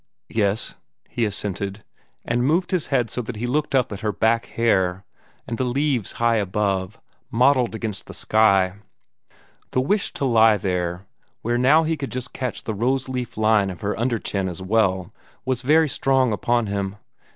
"Yes," he assented, and moved his head so that he looked up at her back hair, and the leaves high above, mottled against the sky. The wish to lie there, where now he could just catch the rose leaf line of her under chin as well, was very strong upon him.